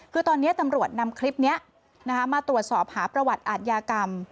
คือตอนนี้ตำรวจนำคลิปนี้มาตรวจสอบหาประวัติอาทยากรรม